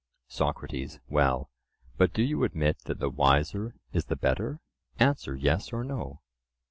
SOCRATES: Well, but do you admit that the wiser is the better? Answer "Yes" or "No."